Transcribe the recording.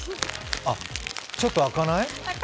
あっ、ちょっと開かない？